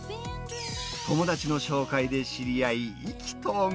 友達の紹介で知り合い、意気投合。